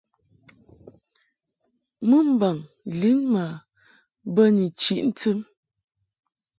Mɨmbaŋ lin ma bə ni chiʼ ntɨm.